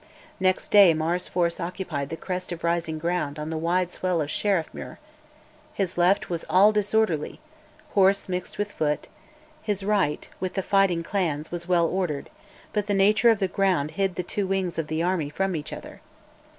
Next day Mar's force occupied the crest of rising ground on the wide swell of Sheriffmuir: his left was all disorderly; horse mixed with foot; his right, with the fighting clans, was well ordered, but the nature of the ground hid the two wings of the army from each other.